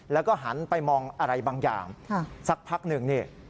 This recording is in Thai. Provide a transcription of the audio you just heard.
แล้วก็หันไปมองอะไรบางอย่างสักพักหนึ่งนี่